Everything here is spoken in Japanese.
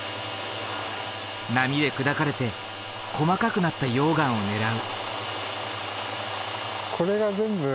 波で砕かれて細かくなった溶岩を狙う。